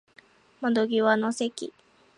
窓際の席